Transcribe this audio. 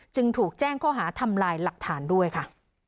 จึงถูกแจ้งข้อหาทำลายหลักฐานด้วยค่ะ